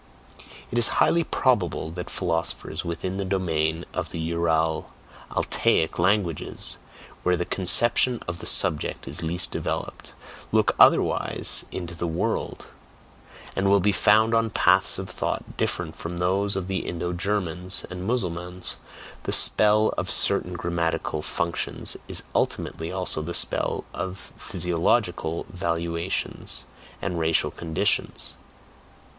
It is highly probable that philosophers within the domain of the Ural Altaic languages (where the conception of the subject is least developed) look otherwise "into the world," and will be found on paths of thought different from those of the Indo Germans and Mussulmans, the spell of certain grammatical functions is ultimately also the spell of PHYSIOLOGICAL valuations and racial conditions.